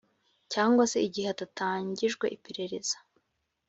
cyangwa se igihe hadatangijwe iperereza